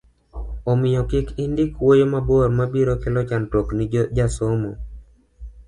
omiyo kik indik wuoyo mabor mabiro kelo chandruok ni jasomo